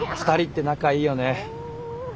２人って仲いいよね。